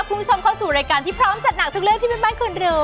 พร้อมเป็นการจัดหนักทุกเรื่องที่แม่บ้านคุณรึ